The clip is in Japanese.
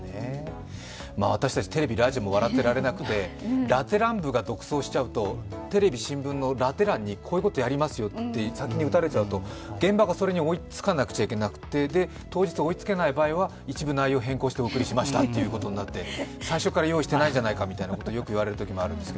私たち、テレビ・ラジオも笑ってられなくて、ラテ欄部が独走しちゃうとテレビ・新聞のラテ欄にこういうことやりますよって先に打たれちゃうと、現場がそれに追いつかなくちゃいけなくて当日、追いつけない場合は、一部変更してお送りしましたと最初から用意していないんじゃないかということをよく言われることもあるんです。